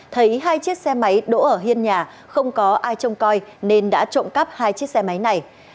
thấy hai chiếc xe máy đỗ ở hiên nhà không có ai trông coi nên đã trộm cắp hai chiếc xe máy này